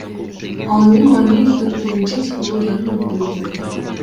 Ал эми Малиевдин оюнча, технологияны өнүктүрүү керек.